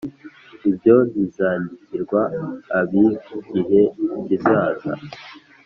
ibyo bizandikirwa abigihe kizaza